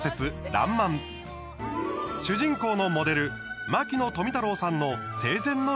「らんまん」主人公のモデル牧野富太郎さんの生前の肉声です。